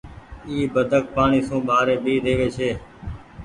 اي بدڪ پآڻيٚ سون ٻآري ڀي رهوي ڇي۔